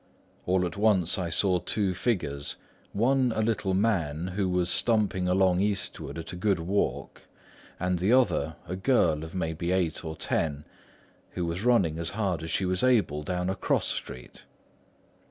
All at once, I saw two figures: one a little man who was stumping along eastward at a good walk, and the other a girl of maybe eight or ten who was running as hard as she was able down a cross street.